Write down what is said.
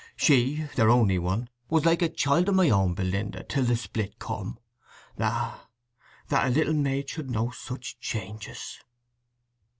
She, their only one, was like a child o' my own, Belinda, till the split come! Ah, that a little maid should know such changes!"